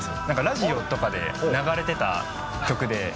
何かラジオとかで流れてた曲で。